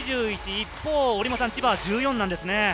一方、千葉は１４なんですね。